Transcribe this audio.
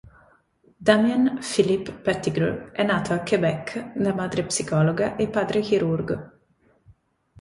Damian Philippe Pettigrew è nato a Québec da madre psicologa e padre chirurgo.